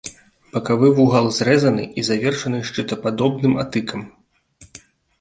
Бакавы вугал зрэзаны і завершаны шчытападобным атыкам.